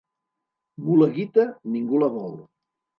Mula guita, ningú la vol.